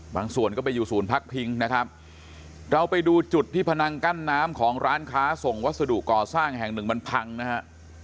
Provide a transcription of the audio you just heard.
ส่วนก็ไปอยู่ศูนย์พักพิงนะครับเราไปดูจุดที่พนังกั้นน้ำของร้านค้าส่งวัสดุก่อสร้างแห่งหนึ่งมันพังนะฮะ